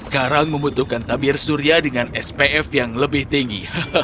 karang membutuhkan tabir surya dengan spf yang lebih tinggi